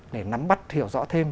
để nắm bắt hiểu rõ thêm